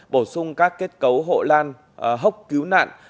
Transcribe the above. bổ sung các kết cấu hộ lan hốc cứu nạn